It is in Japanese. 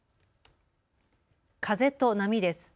風と波です。